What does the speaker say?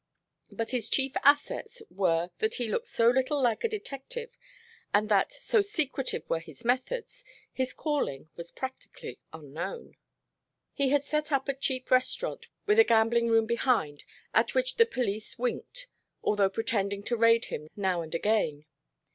But his chief assets were that he looked so little like a detective, and that, so secretive were his methods, his calling was practically unknown. He had set up a cheap restaurant with a gambling room behind at which the police winked, although pretending to raid him now and again.